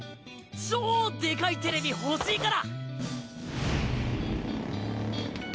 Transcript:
超でかいテレビ欲しいから！